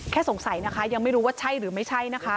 สงสัยนะคะยังไม่รู้ว่าใช่หรือไม่ใช่นะคะ